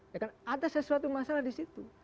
ya kan ada sesuatu masalah di situ